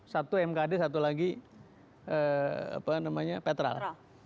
satu mkd satu lagi petrol